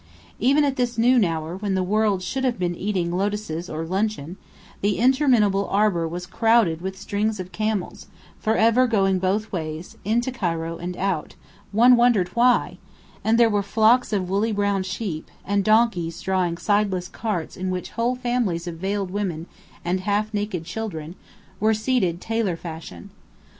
Even at this noon hour when the world should have been eating lotuses or luncheon, the interminable arbour was crowded with strings of camels, forever going both ways, into Cairo and out, one wondered why and there were flocks of woolly brown sheep, and donkeys drawing sideless carts in which whole families of veiled women and half naked children were seated tailor fashion.